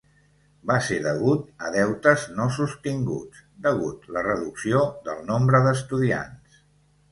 Va ser degut a deutes no sostinguts degut la reducció del nombre d'estudiants.